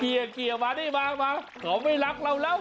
เฮ้ยเกลี่ยมานี่มาขอไม่รักเราแล้ว